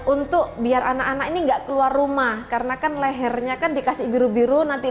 untuk biar anak anak ini enggak keluar rumah karena kan lehernya kan dikasih biru biru nanti